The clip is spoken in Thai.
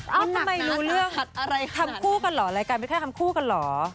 เออมันทำไมรู้เรื่องทำคู่กันเหรอรายการไม่ใช่ทำคู่กันเหรอ